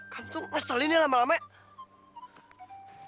kamu tuh ngaselin ya lama lamanya